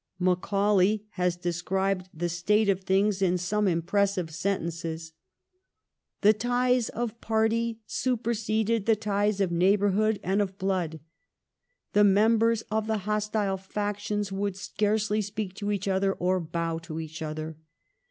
Macaulay has described the state of 288 THE REIGN OF QUEEN ANNE. oh. xixiv. things in some impressive sentences :' The ties of party superseded the ties of neighbourhood and of blood. The members of the hostile factions would scarcely speak to each other or bow to each other.